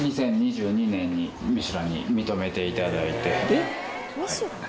えっ！？